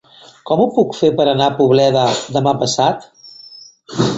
Com ho puc fer per anar a Poboleda demà passat?